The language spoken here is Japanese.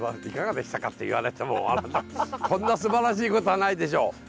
「いかがでしたか」って言われてもこんなすばらしいことはないでしょう。